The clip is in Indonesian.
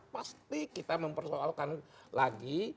pasti kita mempersoalkan lagi